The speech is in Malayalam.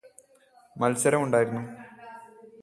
മത്സരമുണ്ടായിരുന്നു